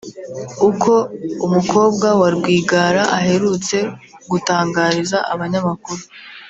uko umukobwa wa Rwigara aherutse gutangariza abanyamakuru